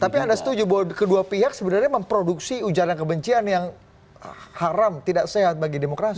tapi anda setuju bahwa kedua pihak sebenarnya memproduksi ujaran kebencian yang haram tidak sehat bagi demokrasi